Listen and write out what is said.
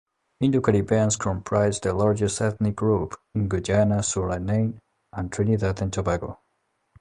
Indo-Caribbeans comprise the largest ethnic group in Guyana, Suriname and Trinidad and Tobago.